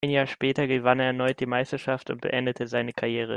Ein Jahr später gewann er erneut die Meisterschaft und beendete seine Karriere.